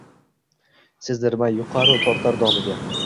Sezdirmay yuqar-u, tortar domiga.